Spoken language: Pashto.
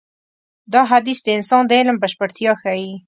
دا حديث د انسان د علم بشپړتيا ښيي.